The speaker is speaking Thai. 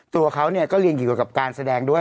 ตัวเขาก็เรียนเกี่ยวกับการแสดงด้วย